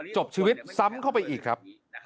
จบชีวิตซ้ำเข้าไปอีกครับ